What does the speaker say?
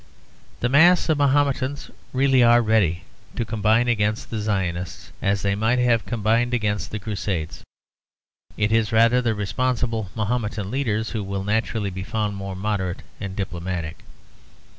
The mass of Mahometans really are ready to combine against the Zionists as they might have combined against the Crusades. It is rather the responsible Mahometan leaders who will naturally be found more moderate and diplomatic.